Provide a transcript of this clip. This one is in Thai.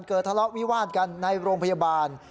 ทะเลาะวิวาดกันในโรงพยาบาล